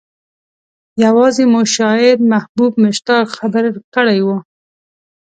يوازې مو شاعر محبوب مشتاق خبر کړی و.